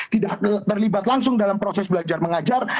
tidak terlibat langsung dalam proses belajar mengajar